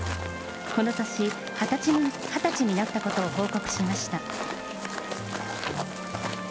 この年、２０歳になったことを報告しました。